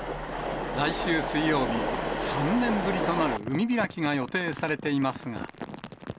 来週水曜日、３年ぶりとなる海開きが予定されていますが。